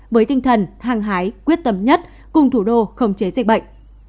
với tinh thần hăng hái quyết tâm nhất cùng thủ đô khống chế dịch bệnh